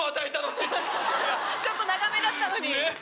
ちょっと長めだったのに。